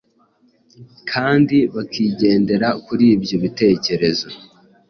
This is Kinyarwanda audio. kandi bakigendera kuri ibyo bitekerezo,